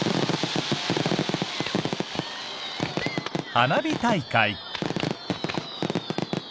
花火大会。